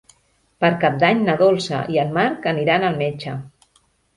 Per Cap d'Any na Dolça i en Marc aniran al metge.